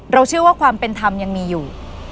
เชื่อว่าความเป็นธรรมยังมีอยู่